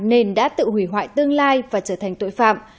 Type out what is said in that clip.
nên đã tự hủy hoại tương lai và trở thành tội phạm